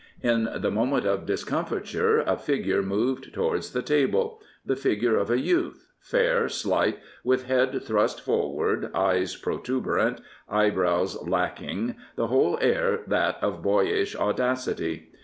In the moment of dis comfiture a figure moved towards the table — the figure of a youth, fair, slight, with head thrust for ward, eyes protuberant, eyebrows lacking, the whole air that of boyish audacity.